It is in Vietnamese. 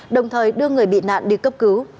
đồng thời đưa người bị nạn đi cấp cứu